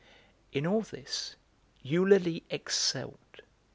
In all this Eulalie excelled.